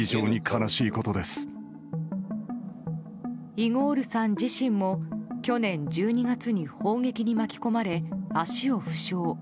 イゴールさん自身も去年１２月に砲撃に巻き込まれ足を負傷。